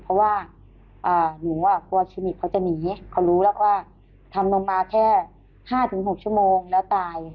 เพราะว่าหนูกลัวที่เขาจะหนีเขารู้ละว่าทำนมมาก็๕๖ชั่วโมงแล้วตาย